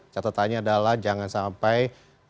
catatannya adalah jangan sampai